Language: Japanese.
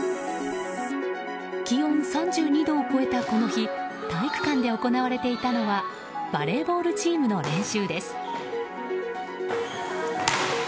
気温３２度を超えたこの日体育館で行われていたのはバレーボールチームの練習です。